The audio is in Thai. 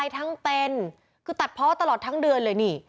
ตัดพอตลอดทั้งเดือนเลยนี่